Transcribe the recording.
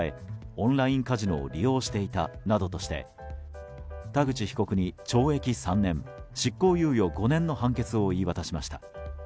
オンラインカジノを利用していたなどとして田口被告に懲役３年、執行猶予５年の判決を言い渡しました。